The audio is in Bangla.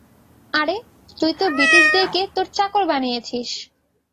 আরে তুই তো ব্রিটিশদের কে, তোর চাকর বানিয়েছিস।